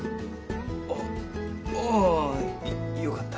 あっああいっよかったら。